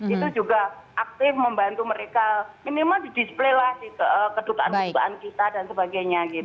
itu juga aktif membantu mereka minimal di display lah kedutaan kedutaan kita dan sebagainya